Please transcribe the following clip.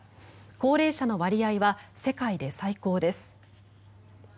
高齢者の割合は世界で最高です。